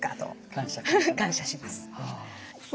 感謝します。